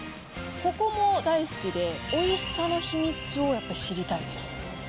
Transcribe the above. ここも大好きで、おいしさの秘密を、やっぱ知りたいです。